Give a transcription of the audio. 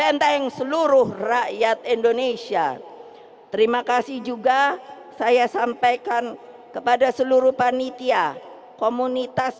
benteng seluruh rakyat indonesia terima kasih juga saya sampaikan kepada seluruh panitia komunitas